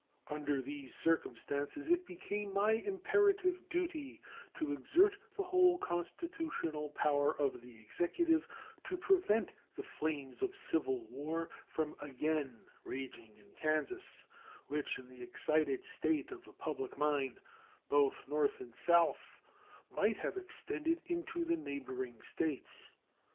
Under these circumstances it became my imperative duty to exert the whole constitutional power of the Executive to prevent the flames of civil war from again raging in Kansas, which in the excited state of the public mind, both North and South, might have extended into the neighboring States.